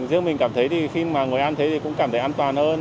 riêng mình cảm thấy thì khi mà ngồi ăn thế thì cũng cảm thấy an toàn hơn